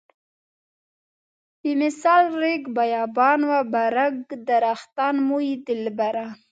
بمثال ريګ بيابان و برګ درختان موی دلبران.